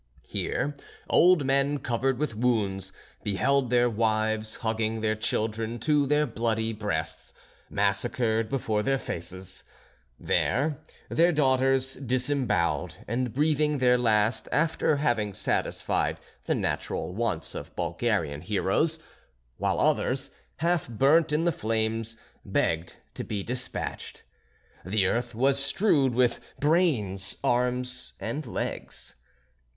Here, old men covered with wounds, beheld their wives, hugging their children to their bloody breasts, massacred before their faces; there, their daughters, disembowelled and breathing their last after having satisfied the natural wants of Bulgarian heroes; while others, half burnt in the flames, begged to be despatched. The earth was strewed with brains, arms, and legs.